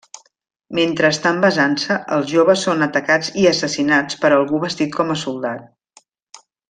Mentre estan besant-se, els joves són atacats i assassinats per algú vestit com a soldat.